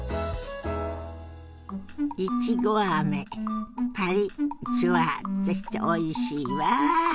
いちごあめパリッジュワッとしておいしいわ！